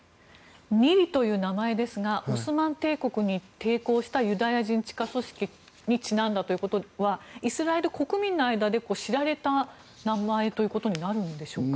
ニリという名前ですがオスマン帝国に抵抗したユダヤ人地下組織にちなんだということはイスラエル国民の間で知られた名前ということになるんでしょうか。